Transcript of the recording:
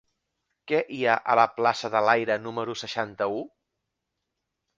Què hi ha a la plaça de l'Aire número seixanta-u?